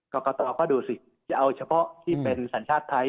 กรกตก็ดูสิจะเอาเฉพาะที่เป็นสัญชาติไทย